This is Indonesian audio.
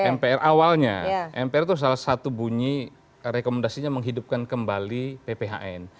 mpr awalnya mpr itu salah satu bunyi rekomendasinya menghidupkan kembali pphn